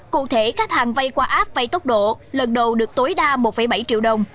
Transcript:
cụ thể khách hàng vay qua app vay tốc độ lần đầu được tối đa một bảy triệu đồng